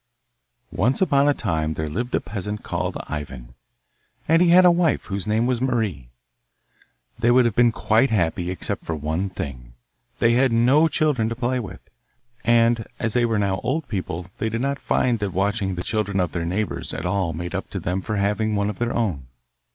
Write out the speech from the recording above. Once upon a time there lived a peasant called Ivan, and he had a wife whose name was Marie. They would have been quite happy except for one thing: they had no children to play with, and as they were now old people they did not find that watching the children of their neighbours at all made up to them for having one of their own.